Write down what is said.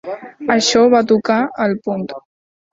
Això va tocar el punt.